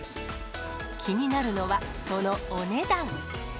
気になるのは、そのお値段。